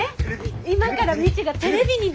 今から未知がテレビに出るの。